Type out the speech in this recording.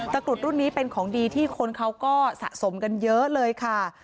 กรุดรุ่นนี้เป็นของดีที่คนเขาก็สะสมกันเยอะเลยค่ะ